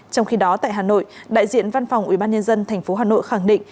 trong khi đó tại hà nội đại diện văn phòng ubnd tp hà nội khẳng định